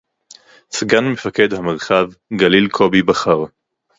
סגן מפקד המרחב גליל קובי בכר